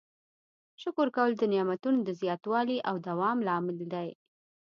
شکر کول د نعمتونو د زیاتوالي او دوام لامل دی.